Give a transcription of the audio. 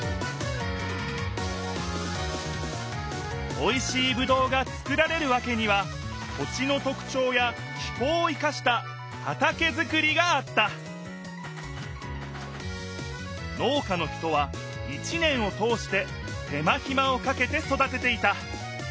おいしいぶどうがつくられるわけには土地のとくちょうや気候を生かした畑づくりがあった農家の人は一年を通して手間ひまをかけて育てていた。